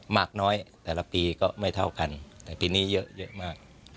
มากน้อยแต่ละปีก็ไม่เท่ากันแต่ปีนี้เยอะมาก